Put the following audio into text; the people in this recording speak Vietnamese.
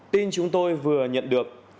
tin chúng tôi vừa nhận được